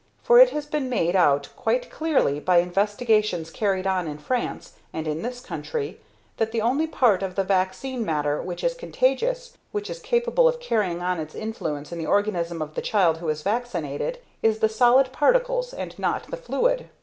For it has been made out quite clearly, by investigations carried on in France and in this country, that the only part of the vaccine matter which is contagious, which is capable of carrying on its influence in the organism of the child who is vaccinated, is the solid particles and not the fluid.